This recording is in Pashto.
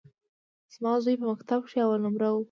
زما زوى په مکتب کښي اول نؤمره سو.